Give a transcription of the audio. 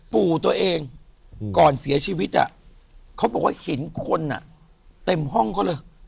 ปู่ตัวเองก่อนเสียชีวิตเขาบอกว่าเห็นคนอ่ะเต็มห้องเขาเลย